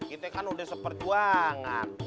kita kan udah seperjuangan